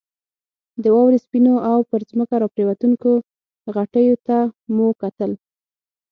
د واورې سپینو او پر ځمکه راپرېوتونکو غټیو ته مو کتل.